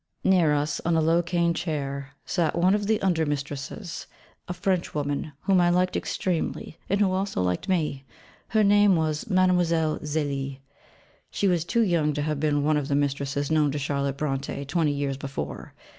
Near us, on a low cane chair, sat one of the under mistresses, a Frenchwoman, whom I liked extremely, and who also liked me: her name was Mlle. Zélie she was too young to have been one of the mistresses known to Charlotte Brontë twenty years before.